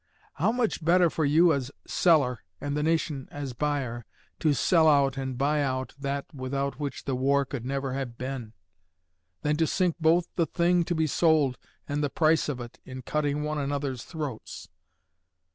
How much better for you as seller, and the nation as buyer, to sell out and buy out that without which the war could never have been, than to sink both the thing to be sold and the price of it in cutting one another's throats!...